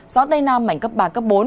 gió tây nam mảnh cấp ba bốn